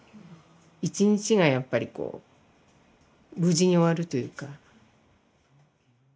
一日がやっぱりこう無事に終わるというか。